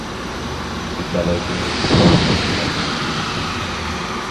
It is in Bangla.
বিদ্যালয়টির একটি প্রশস্ত খেলার মাঠ রয়েছে।